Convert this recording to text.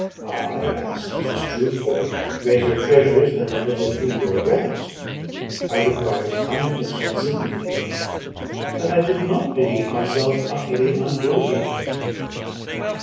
I asked, it is true, for greater treasures than a little food or rest: I required kindness and sympathy; but I did not believe myself utterly unworthy of it.